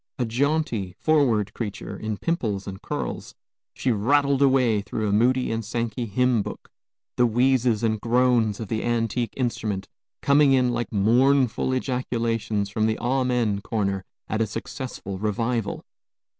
A jaunty, forward creature, in pimples and curls, she rattled away through a Moody and Sankey hymn book, the wheezes and groans of the antique instrument coming in like mournful ejaculations from the amen corner at a successful revival.